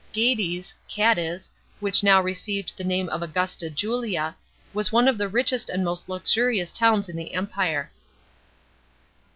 Gades (Cadiz), which now received the name of Augusta Julia, was one of the richest and most luxurious towns in the Empire.